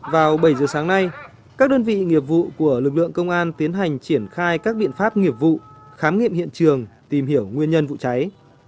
vào bảy giờ sáng nay các đơn vị nghiệp vụ của lực lượng công an tiến hành triển khai các biện pháp nghiệp vụ khám nghiệm hiện trường tìm hiểu nguyên nhân vụ cháy